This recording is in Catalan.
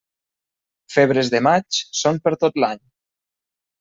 Febres de maig, són per tot l'any.